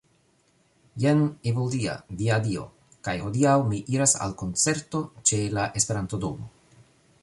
Jen Evildea. Via Dio. kaj hodiaŭ mi iras al koncerto ĉe la Esperanto-domo